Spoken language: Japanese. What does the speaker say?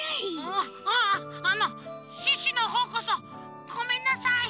あのシュッシュのほうこそごめんなさい。